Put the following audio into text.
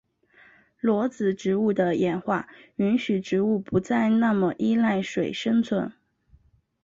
裸子植物的演化允许植物不再那么依赖水生存。